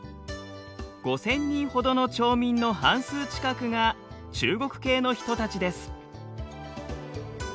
５，０００人ほどの町民の半数近くが中国系の人たちです。